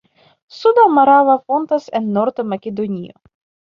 Suda Morava fontas en Nord-Makedonio.